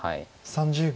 ３０秒。